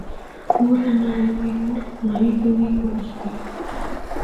Өвөрхангай аймгийн урд Ноён хэмээх уул бий.